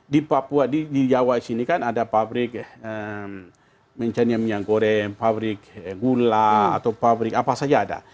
di papua di jawa sini kan ada pabrik misalnya minyak goreng pabrik gula atau pabrik apa saja ada